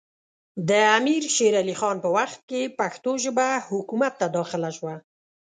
د امیر شېر علي خان په وخت کې پښتو ژبه حکومت ته داخله سوه